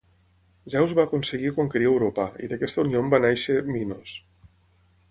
Zeus va aconseguir conquerir Europa i d'aquesta unió en va néixer Minos.